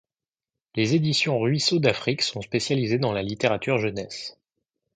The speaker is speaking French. Les éditions Ruisseaux d'Afrique sont spécialisées dans la littérature jeunesse.